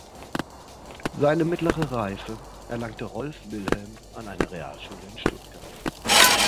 Seine Mittlere Reife erlangte Rolf Wilhelm an einer Realschule in Stuttgart.